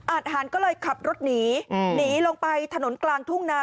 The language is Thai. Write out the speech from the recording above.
ทหารก็เลยขับรถหนีหนีลงไปถนนกลางทุ่งนา